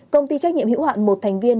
công ty trách nhiệm hữu hạn một thành viên